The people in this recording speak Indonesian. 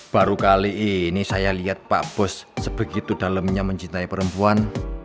baru kali ini saya lihat pak bos sebegitu dalamnya mencintai perempuan